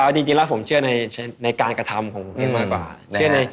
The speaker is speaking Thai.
จริงแล้วผมเชื่อในการกระทำของผมเองมากกว่า